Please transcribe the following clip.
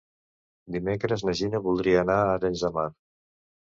Dimecres na Gina voldria anar a Arenys de Mar.